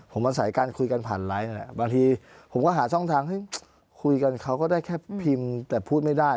ผมอาศัยการคุยกันผ่านไลค์บางทีผมก็หาช่องทางเฮ้ยคุยกันเขาก็ได้แค่พิมพ์แต่พูดไม่ได้